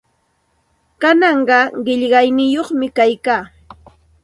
Kananqa qillayniyuqmi kaykaa.